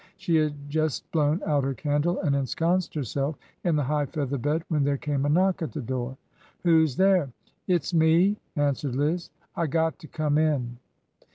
She had just blown out her candle and ensconced herself in the high feather bed when there came a knock at the door. "Who's there?" " It 's me," answered Liz. " I got to come in."